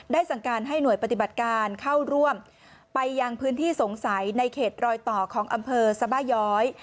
สั่งการให้หน่วยปฏิบัติการเข้าร่วมไปยังพื้นที่สงสัยในเขตรอยต่อของอำเภอสบาย้อย